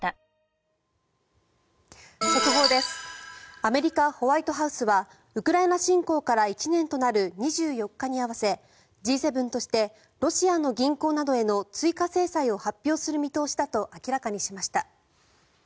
アメリカ・ホワイトハウスはウクライナ侵攻から１年となる２４日に合わせＧ７としてロシアの銀行などへの追加制裁を発表する見通しだと明らかにしました。